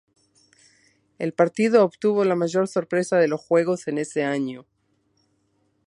El partido obtuvo la mayor sorpresa de los juegos en ese año.